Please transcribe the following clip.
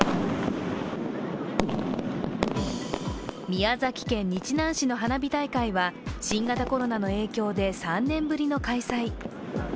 宮崎県日南市の花火大会は新型コロナの影響で３年ぶりの開催。